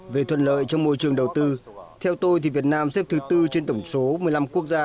về thuận lợi trong môi trường đầu tư theo tôi thì việt nam xếp thứ tư trên tổng số một mươi năm quốc gia